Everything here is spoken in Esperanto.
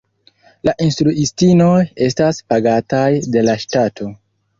La instruistinoj estas pagataj de la ŝtato.